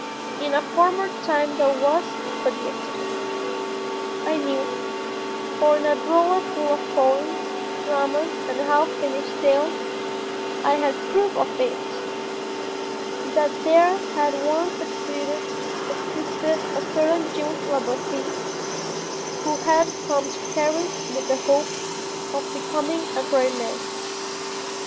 In a former time, a former time that was but yesterday, I knew for in a drawer full of poems, dramas and half finished tales I had proof of it that there had once existed a certain Jules Labarthe who had come to Paris with the hope of becoming a great man.